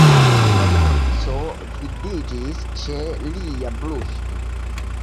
La lanco vidiĝis ĉe lia brusto.